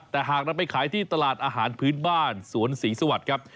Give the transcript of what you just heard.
แต่หากนำไปขายที่ตลาดอาหารพื้นบ้านสวนศรีสวัสดิ์ครับ